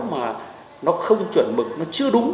mà nó không chuẩn mực nó chưa đúng